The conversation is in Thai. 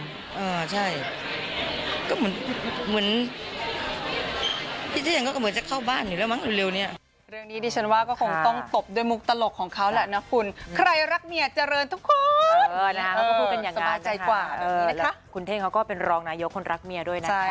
อ่าใช่ก็เหมือนพี่เท่งก็เหมือนจะเข้าบ้านอยู่แล้วมั้งเร็วเนี้ย